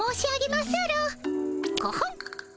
コホン！